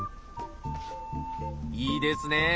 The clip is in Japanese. いいですね！